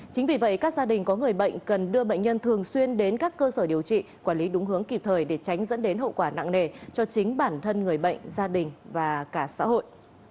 chính vì vậy các gia đình có người bệnh cần đưa bệnh nhân thường xuyên đến các cơ sở điều trị quản lý đúng hướng kịp thời để tránh dẫn đến hậu quả nặng nề cho chính bản thân người bệnh gia đình và cả xã hội